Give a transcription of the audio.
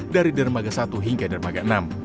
dari dermaga satu hingga dermaga enam